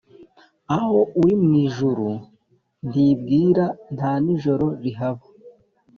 aho uri mu ijuru ntibwira ntanijoro rihaba